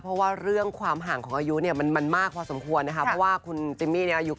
เพราะว่าเรื่องความห่างของอายุเนี่ย